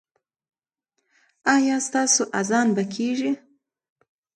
ایا ستاسو اذان به کیږي؟